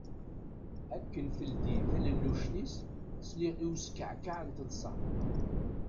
Akken teldi talelluct-is, sliɣ i uskeεkeε n teṭsa.